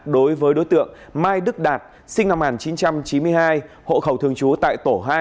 đối với đối tượng mai đức đạt sinh năm một nghìn chín trăm chín mươi hai hộ khẩu thường trú tại tổ hai